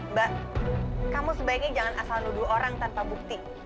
mbak kamu sebaiknya jangan asal nuduh orang tanpa bukti